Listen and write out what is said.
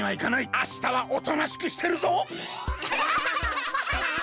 あしたはおとなしくしてるぞ！